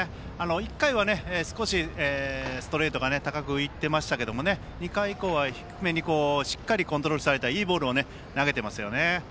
１回は少しストレートが高く浮いていましたけど２回以降は、低めにしっかりコントロールされたいいボールを投げていますね。